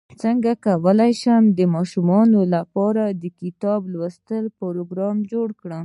څنګه کولی شم د ماشومانو لپاره د کتاب لوستلو پروګرام جوړ کړم